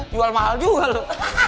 jual mahal juga lu